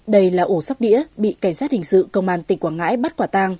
đây là ổ sóc đĩa bị cảnh sát hình sự công an tỉnh quảng ngãi bắt quả tàng